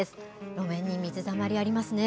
画面に水たまりありますね。